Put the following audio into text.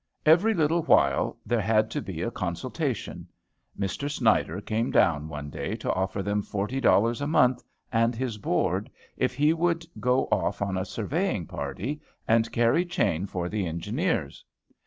Every little while there had to be a consultation. Mr. Snyder came down one day to offer him forty dollars a month and his board, if he would go off on a surveying party and carry chain for the engineers.